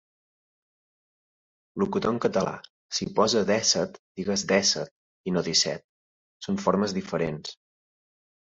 Locutor en català, si posa 'dèsset' digues 'dèsset' i no 'disset'. Són formes diferents.